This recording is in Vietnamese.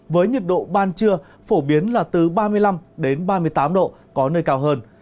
với nhiệt độ ban trưa phổ biến là từ ba mươi năm đến ba mươi tám độ có nơi cao hơn